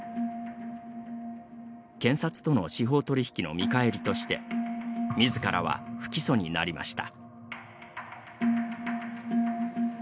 検察との司法取引の見返りとしてみずからは不起訴になりました。